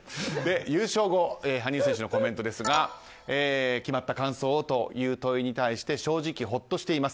優勝後羽生選手のコメントですが決まった感想をという問いに対して正直ほっとしています。